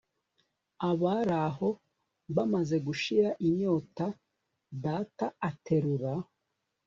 abari aho bamaze gushira inyota data aterura